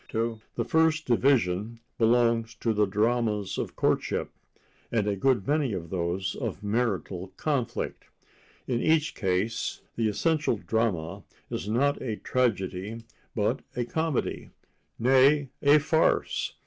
To the first division belong the dramas of courtship, and a good many of those of marital conflict. In each case the essential drama is not a tragedy but a comedy—nay, a farce.